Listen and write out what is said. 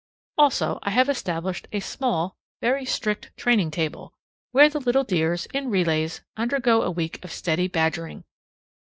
Also I have established a small, very strict training table, where the little dears, in relays, undergo a week of steady badgering.